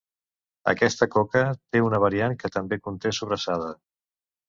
Aquesta coca té una variant que també conté sobrassada.